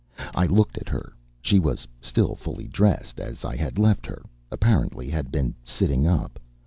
I looked at her; she was still fully dressed, as I had left her, apparently had been sitting up.